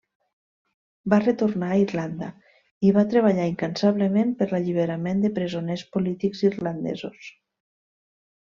Va retornar a Irlanda i va treballar incansablement per l'alliberament de presoners polítics irlandesos.